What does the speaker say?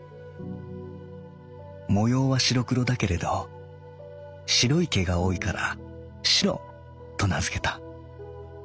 模様は白黒だけれど白い毛が多いから『しろ』と名づけた。